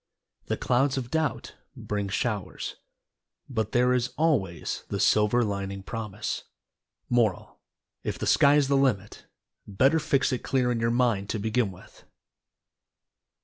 The clouds of Doubt bring showers, but there is always the "Silver Lining" promise. Moral: If the sky is the limit better fix it clear in your mind to begin with.